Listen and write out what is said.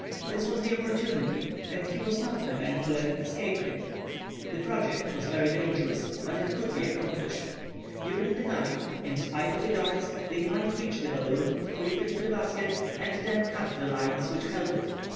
This was the opportunity, and he was not the man to let it escape him. The project was very dangerous, but it could be accomplished. During the night, in spite of the guards, they might reach the balloon, creep into the basket, and then cut the lines which held it!